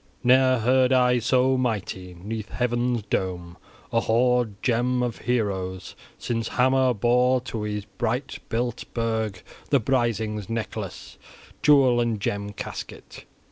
Ne'er heard I so mighty, 'neath heaven's dome, a hoard gem of heroes, since Hama bore to his bright built burg the Brisings' necklace, jewel and gem casket.